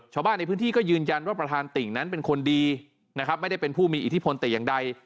ชาวบ้านในพื้นที่ก็ยืนยันว่าประธานติ่งนั้นเป็นคนดีนะครับไม่ได้เป็นผู้มีอิทธิพลแต่อย่างใด